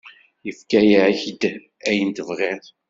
Yefka-ak-d ayen tebɣiḍ.